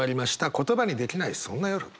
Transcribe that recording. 「言葉にできない、そんな夜。」。